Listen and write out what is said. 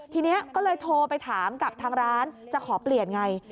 ทีนี้ก็เลยโทรไปถามกับทางร้านจะขอเปลี่ยนไง